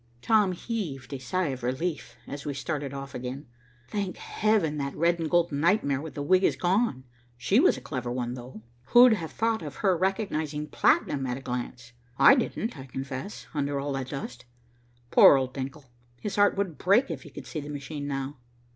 Tom heaved a sigh of relief as we started off again. "Thank heaven that red and gold nightmare with the wig is gone. She was a clever one, though. Who'd have thought of her recognizing platinum at a glance. I didn't, I confess, under all that dust. Poor old Denckel, his heart would break if he could see the machine now."